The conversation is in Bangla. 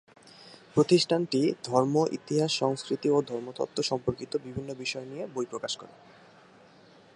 প্রতিষ্ঠানটি ধর্ম, ইতিহাস, সংস্কৃতি এবং ধর্মতত্ত্ব সম্পর্কিত বিভিন্ন বিষয় নিয়ে বই প্রকাশ করে।